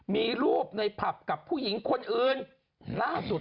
นี่นี่นี่นี่